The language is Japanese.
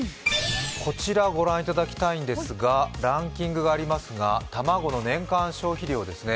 こちら、ご覧いただきたいんですがランキングがありますが、卵の年間消費量ですね。